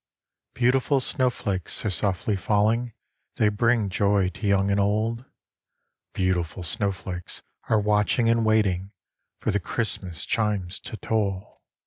Beautiful snowflakes are softly falling, They bring joy to young and old; Beautiful snowflakes are watching and waiting For the Christmas chimes to toll.